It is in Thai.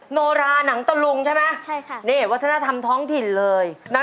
โนราหนังตะลุงใช่ไหมนี่วัฒนธรรมท้องถิ่นเลยนี่ใช่ค่ะ